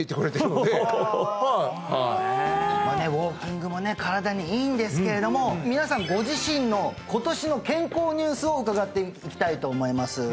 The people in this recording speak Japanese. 身体にいいんですけれども皆さんご自身の今年の健康ニュースを伺っていきたいと思います